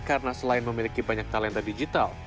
karena selain memiliki banyak talenta digital